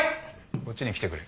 こっちに来てくれ。